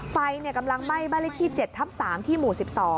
ไฟกำลังไหม้บ้านเลขที่๗ทับ๓ที่หมู่๑๒